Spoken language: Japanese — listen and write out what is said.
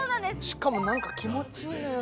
しかも何か気持ちいいのよ